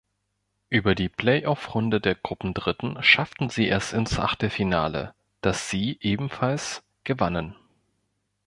Über die Playoff-Runde der Gruppendritten schafften sie es ins Achtelfinale, das sie ebenfalls gewannen.